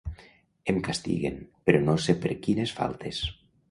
Em castiguen, però no sé per quines faltes.